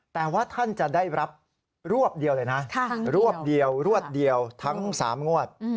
แต่ว่าท่านจะได้รับรวบเดียวเลยนะรวบเดียวรวดเดียวทั้ง๓งวด